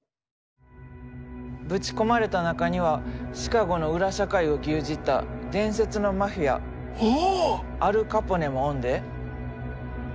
ぶち込まれた中にはシカゴの裏社会を牛耳った伝説のマフィアアル・カポネもおんで。